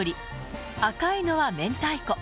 赤いのは明太子。